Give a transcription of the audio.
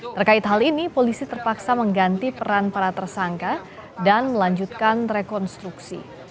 terkait hal ini polisi terpaksa mengganti peran para tersangka dan melanjutkan rekonstruksi